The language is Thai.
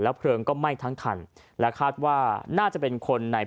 แล้วเพลิงก็ทั้งคำและคาดว่าน่าจะเป็นคนในพื้นที่